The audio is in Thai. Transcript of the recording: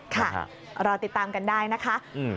ค่ะรอติดตามกันได้นะคะ